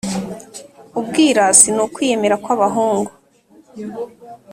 Ubwirasi n’ukwiyemera kw’abakungu